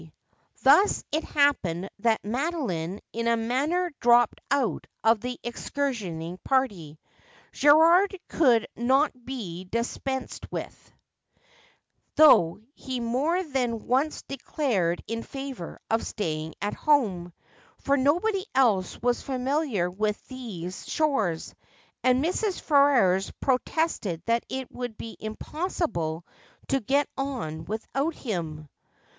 Thus it happened that Madolino in a manner dropped out of the excursionising party. Ger. ild could not be dispensed with — thori;:di he more than onro declared in favour of staying at home —for nobody else was familiar with these shores, and Mrs. Ferrers protested that it would be impossible to get on without him.